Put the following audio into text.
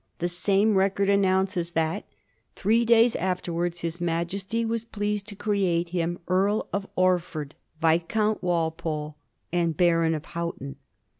The same record announces that " three days afterwards his Majesty was pleased to create him Earl of Orford, Viscount Walpole, and Baron of Houghton."